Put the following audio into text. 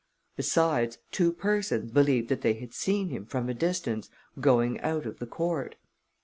Besides, two persons believed that they had seen him, from a distance, going out of the court.